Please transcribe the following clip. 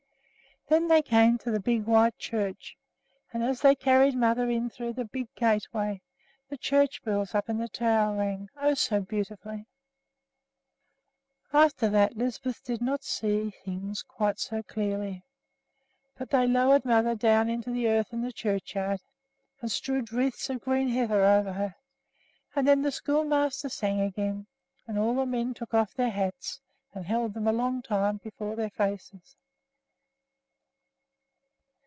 Then they came to the white church; and as they carried mother in through the big gateway the church bells up in the tower rang, oh, so beautifully! After that Lisbeth did not see things quite so clearly, but they lowered mother down into the earth in the churchyard and strewed wreaths of green heather over her, and then the schoolmaster sang again, and all the men took off their hats and held them a long time before their faces.